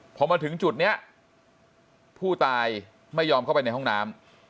พอมาถึงจุดนี้ผู้ตายไม่ยอมเข้าไปในห้องน้ำ